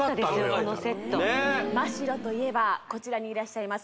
このセットマ・シロといえばこちらにいらっしゃいます